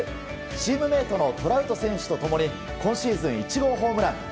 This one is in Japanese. チームメートのトラウト選手と共に今シーズン１号ホームラン。